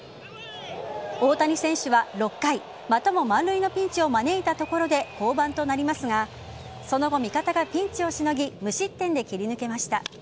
大谷選手は６回またも満塁のピンチを招いたところで降板となりますがその後、味方がピンチをしのぎ無失点で切り抜けました。